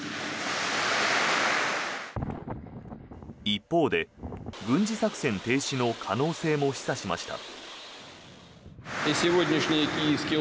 一方で軍事作戦停止の可能性も示唆しました。